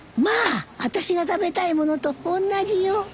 まあ私が食べたいものとおんなじよ。